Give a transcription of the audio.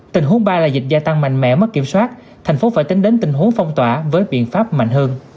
tình huống ba là dịch gia tăng mạnh mẽ mất kiểm soát thành phố phải tính đến tình huống phong tỏa với biện pháp mạnh hơn